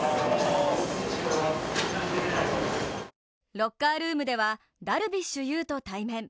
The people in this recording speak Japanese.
ロッカールームではダルビッシュ有と対面。